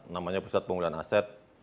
namanya pusat pemulihan aset